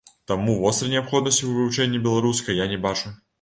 Таму вострай неабходнасці ў вывучэнні беларускай я не бачу.